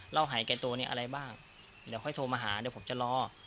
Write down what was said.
หายแก่ตัวนี้อะไรบ้างเดี๋ยวค่อยโทรมาหาเดี๋ยวผมจะรอ